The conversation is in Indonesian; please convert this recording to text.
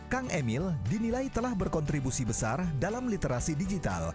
kang emil dinilai telah berkontribusi besar dalam literasi digital